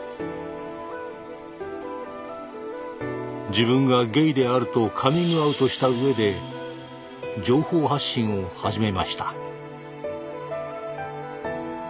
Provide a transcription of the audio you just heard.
自分がゲイであるとカミングアウトしたうえで情報発信を始めました。